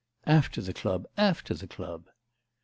'After the club... after the club.